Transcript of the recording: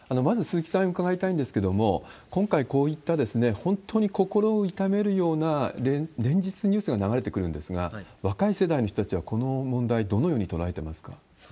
まず鈴木さんに伺いたいんですけれども、今回、こういった、本当に心を痛めるような、連日、ニュースが流れてくるんですが、若い世代の人たちはこの問題、どのように捉えてますか？